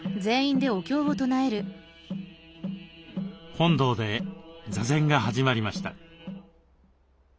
本堂で座禅が始まりました。